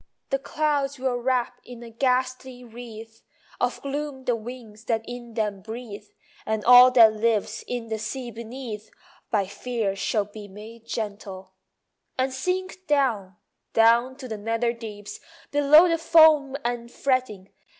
The clouds will wrap in a ghastly wreath Of gloom the winds that in them breathe, And all that lives in the sea beneath By fear shall be made gentle; And sink down, down to the nether deeps, Below the foam and fretting.